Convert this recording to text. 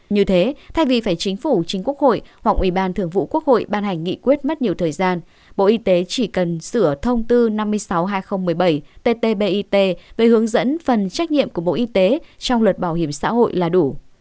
như thế thay vì phải chính phủ chính quốc hội hoặc ủy ban thường vụ quốc hội ban hành nghị quyết mất nhiều thời gian bộ y tế chỉ cần sửa thông tư năm mươi sáu hai nghìn một mươi bảy ttbit về hướng dẫn phần trách nhiệm của bộ y tế trong luật bảo hiểm xã hội là đủ